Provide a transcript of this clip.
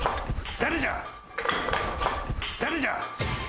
誰じゃ？